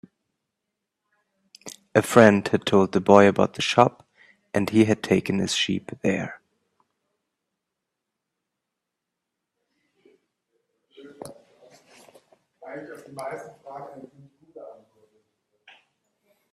A friend had told the boy about the shop, and he had taken his sheep there.